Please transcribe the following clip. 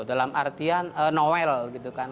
dalam artian noel gitu kan